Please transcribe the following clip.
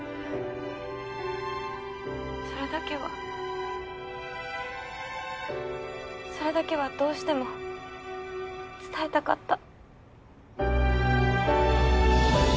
それだけはそれだけはどうしても伝えたかった。